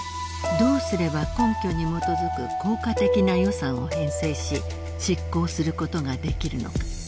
どうすれば根拠にもとづく効果的な予算を編成し執行することができるのか。